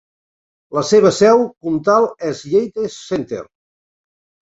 La seva seu comtal és Yates Center.